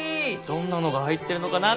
どんなのが入ってるのかな？